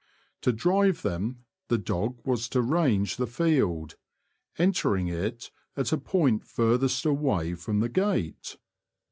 To drive them the dog was to range the field, entering it at a point furthest away from the gate.